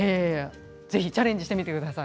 ぜひチャレンジしてみてください。